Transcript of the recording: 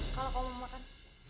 kalau kamu mau makan